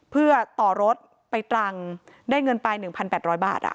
เพื่อต่อรถไปตรังได้เงินไป๑๘๐๐บาท